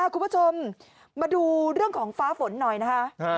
คุณผู้ชมมาดูเรื่องของฟ้าฝนหน่อยนะคะ